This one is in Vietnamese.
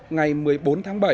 ngày một mươi bốn tháng ba